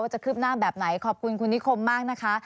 จะคืบหน้าแบบไหนขอบคุณคุณนิคมมากนะคะ